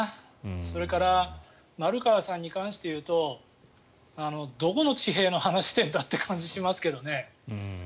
それから丸川さんに関して言うとどこの地平の話をしているんだという感じがしますけどね。